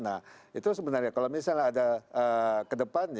nah itu sebenarnya kalau misalnya ada ke depannya